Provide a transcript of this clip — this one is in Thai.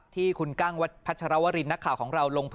ที่คุณกั้งพัชรวริน